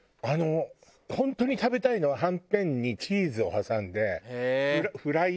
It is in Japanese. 本当に食べたいのははんぺんにチーズを挟んでフライ。